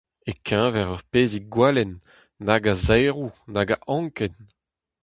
E-keñver ur pezhig gwalenn, nag a zaeroù, nag a anken !